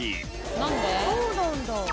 そうなんだ。